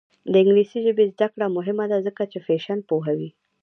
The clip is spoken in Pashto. د انګلیسي ژبې زده کړه مهمه ده ځکه چې فیشن پوهوي.